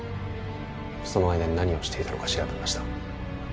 その間に何をしていたのか調べました